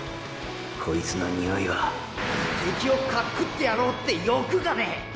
こいつのニオイは敵をかっ食ってやろうって欲がねえ！